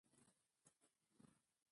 په افغانستان کې د ستوني غرونه منابع شته.